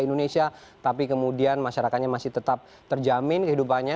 indonesia tapi kemudian masyarakatnya masih tetap terjamin kehidupannya